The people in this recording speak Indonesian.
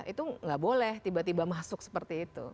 itu nggak boleh tiba tiba masuk seperti itu